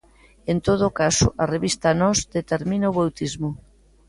En todo caso, a revista Nós determina o bautismo.